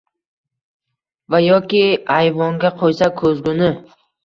Va yoki ayvonga qo’ysak ko’zguni?»